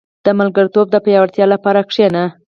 • د ملګرتوب د پياوړتیا لپاره کښېنه.